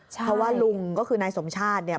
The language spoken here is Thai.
เพราะว่าลุงก็คือนายสมชาติเนี่ย